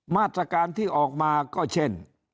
มาตรการที่ออกมาก็เช่น